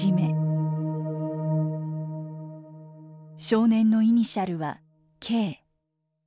少年のイニシャルは「Ｋ」。